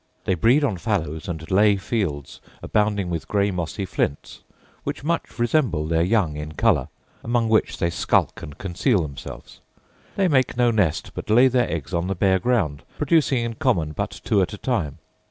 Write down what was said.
They breed on fallows and lay fields abounding with grey mossy flints, which much resemble their young in colour; among which they skulk and conceal themselves. They make no nest, but lay their eggs on the bare ground, producing in common but two at a time.